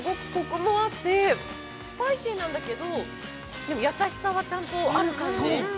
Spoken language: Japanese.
◆すごくこくもあってスパイシーなんだけど、優しさは、ちゃんとある感じ。